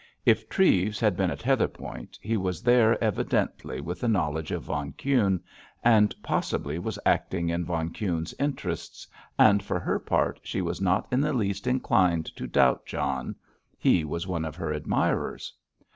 If Treves had been at Heatherpoint, he was there evidently with the knowledge of von Kuhne, and possibly was acting in von Kuhne's interests, and, for her part, she was not in the least inclined to doubt John—he was one of her admirers.